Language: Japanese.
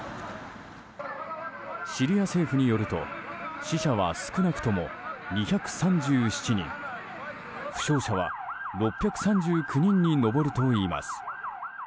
シリア政府によると死者は少なくとも２３７人負傷者は６３９人に上るといいます。